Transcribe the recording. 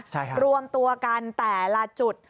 ใช่ค่ะรวมตัวกันแต่ละจุด